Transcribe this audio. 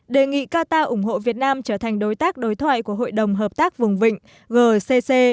đề nghị qatar ủng hộ việt nam trở thành đối tác đối thoại của hội đồng hợp tác vùng vịnh gcc